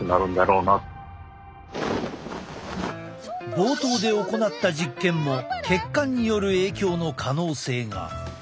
冒頭で行った実験も血管による影響の可能性が。